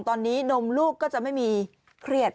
ตอนนี้นมลูกก็จะไม่มีเครียด